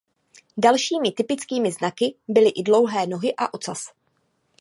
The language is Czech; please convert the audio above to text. Dalšími typickými znaky byly i dlouhé nohy a ocas.